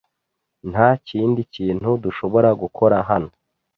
Nta kindi kintu dushobora gukora hano.